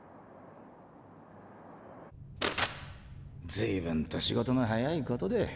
随分と仕事の早いことで。